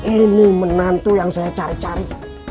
ini menantu yang saya cari cari